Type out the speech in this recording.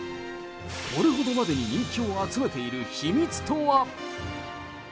これほどまでに人気を集めている秘密とは。